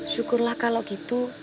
syukurlah kalau gitu